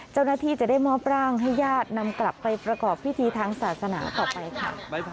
เจ้าหน้าที่จะได้มอบร่างให้ญาตินำกลับไปประกอบพิธีทางศาสนาต่อไปค่ะ